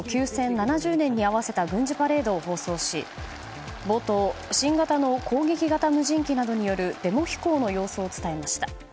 ７０年に合わせた軍事パレードを放送し冒頭、新型の攻撃型無人機などによるデモ飛行の様子を伝えました。